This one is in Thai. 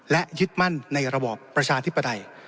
และยึดมั่นในระบอบประชาธิปไตย